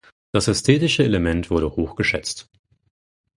Das ästhetische Element wurde hoch geschätzt.